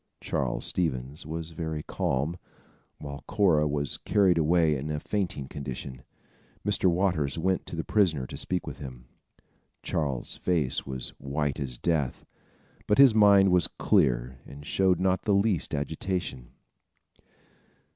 Charles Stevens was very calm, while Cora was carried away in a fainting condition. Mr. Waters went to the prisoner to speak with him. Charles' face was white as death; but his mind was clear and showed not the least agitation.